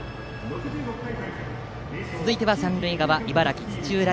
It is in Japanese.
続いては、三塁側茨城・土浦